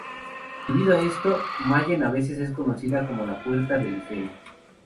Debido a esto, Mayen a veces es conocida como "la puerta del Eifel".